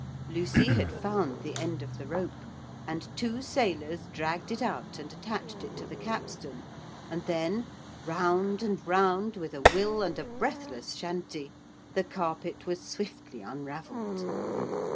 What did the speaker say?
Lucy had found the end of the rope, and two sailors dragged it out and attached it to the capstan, and then round and round with a will and a breathless chanty the carpet was swiftly unravelled.